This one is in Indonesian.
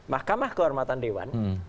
mahkamah kehormatan dewan